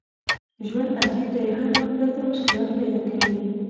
ژوند عجیب دی هر وخت درته مشکلات پیدا کېږي.